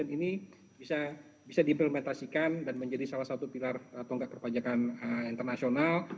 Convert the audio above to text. dan ini bisa diimplementasikan dan menjadi salah satu pilar tonggak perpajakan internasional